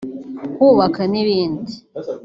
kubaka n’ibindi